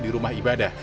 di rumah ibadah